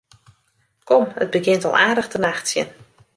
Kom, it begjint al aardich te nachtsjen.